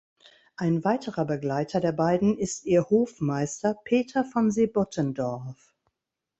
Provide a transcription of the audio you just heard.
Ein weiterer Begleiter der beiden ist ihr Hofmeister Peter von Sebottendorf.